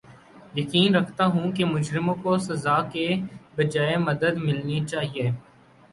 یقین رکھتا ہوں کہ مجرموں کو سزا کے بجاے مدد ملنی چاھیے